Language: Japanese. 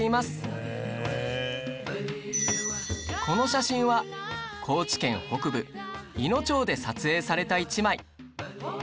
この写真は高知県北部いの町で撮影された一枚